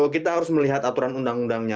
kita harus melihat aturan undang undangnya